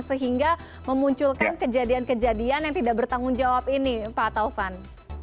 sehingga memunculkan kejadian kejadian yang tidak bertanggung jawab ini pak taufan